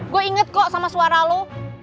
gue inget kok sama suara lo